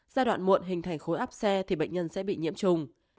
giai đoạn muộn hình thành khối áp xe thì bệnh nhân sẽ bị nhiễm trùng